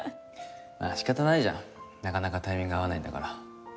仕方ないじゃんなかなかタイミング合わないんだから。